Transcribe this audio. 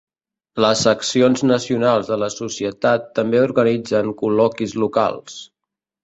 Les seccions nacionals de la societat també organitzen col·loquis locals.